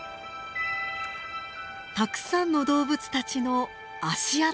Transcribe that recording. たくさんの動物たちの足跡です。